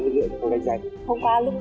lực lượng của tôi đánh giáy